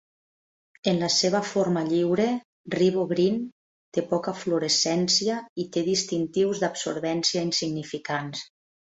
En la seva forma lliure, RiboGreen té poca fluorescència i té distintius d'absorbència insignificants.